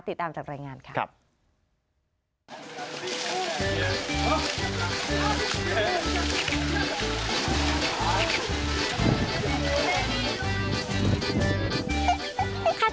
ติดตามจากรายงานค่ะ